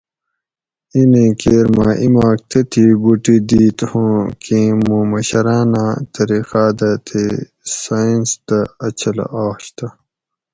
ایں نیں کیر مہ ایماک تتھیں بوٹی دِیت ھوں کیں موں مشراۤناۤں طریقاۤ دہ تی سایٔنس دہ اۤچھلہ آش تہ